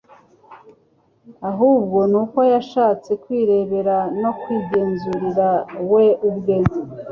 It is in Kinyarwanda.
Ahubwo ni uko yashatse kwirebera no kwigenzurira we ubwe,